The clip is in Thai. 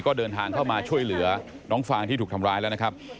ก็เดินทางเข้ามาช่วยเหลือน้องฟางที่ถูกทำร้ายแล้วนะครับ